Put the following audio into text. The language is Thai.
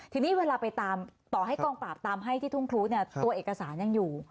ทีนี้เวลาไปตามต่อให้กองปราบตามให้ที่ทุ่งครูเนี่ยตัวเอกสารยังอยู่